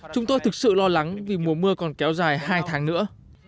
chúng tôi thực sự lo lắng vì mùa mưa còn kéo dài hai tháng nữa